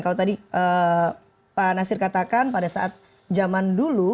kalau tadi pak nasir katakan pada saat zaman dulu